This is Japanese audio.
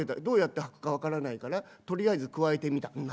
どうやって履くか分からないからとりあえずくわえてみた。